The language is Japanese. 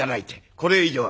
これ以上は」。